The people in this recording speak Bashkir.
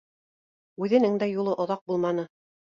Үҙенең дә юлы оҙаҡ булманы